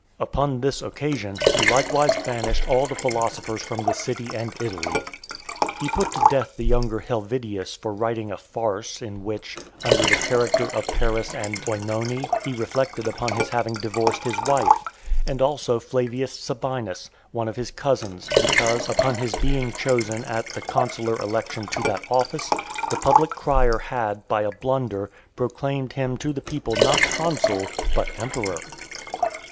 Upon this occasion, he likewise banished all the philosophers from the city and Italy. He put to death the younger Helvidius, for writing a farce, in which, under the character of Paris and Oenone, he reflected upon his having divorced his wife; and also Flavius Sabinus, one of his cousins, because, upon his being chosen at the consular election to that office, the public crier had, by a blunder, proclaimed him to the people not consul, but emperor.